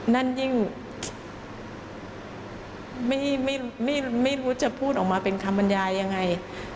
นั่นยิ่งไม่รู้จะพูดออกมาเป็นคำบรรยายยังไง